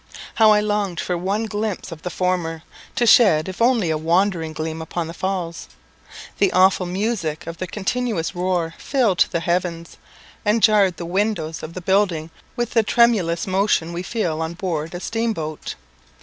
How I longed for one glimpse of the former, to shed if only a wandering gleam upon the Falls! The awful music of their continuous roar filled the heavens, and jarred the windows of the building with the tremulous motion we feel on board a steam boat.